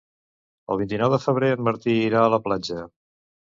El vint-i-nou de febrer en Martí irà a la platja.